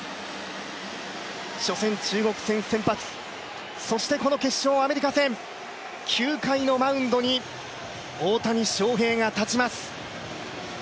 初戦、中国戦先発、そしてこの決勝、アメリカ戦。９回のマウンドに大谷翔平が立ちます。